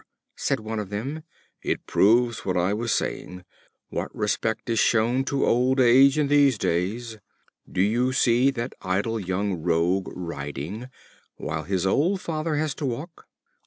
said one of them, "it proves what I was saying. What respect is shown to old age in these days? Do you see that idle young rogue riding, while his old father has to walk?